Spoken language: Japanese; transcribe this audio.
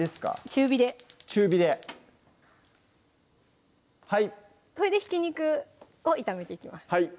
中火で中火ではいそれでひき肉を炒めていきます